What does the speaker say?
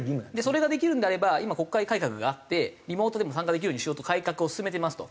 それができるのであれば今国会改革があってリモートでも参加できるようにしようと改革を進めてますと。